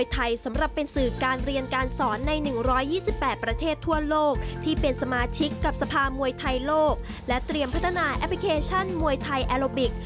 เตรียมพัฒนาแอปพลิเคชันมวยไทยแอโลบิค